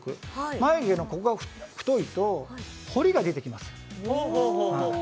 眉毛のここが太いと彫りが出てきます。